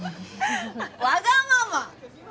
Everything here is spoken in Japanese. わがまま！